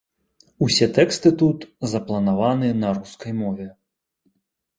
Усе тэксты тут запланаваны на рускай мове.